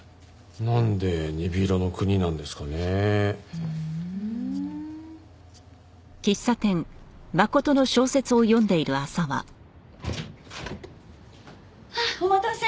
なんで『鈍色のくに』なんですかね？はあお待たせ！